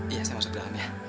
iya saya masuk dalam ya